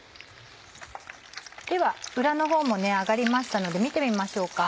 では裏のほうも揚がりましたので見てみましょうか。